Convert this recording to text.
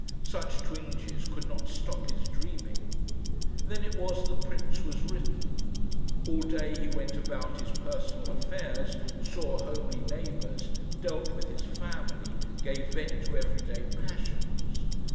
Such twinges could not stop his dreaming. Then it was "The Prince" was written. All day he went about his personal affairs, saw homely neighbours, dealt with his family, gave vent to everyday passions.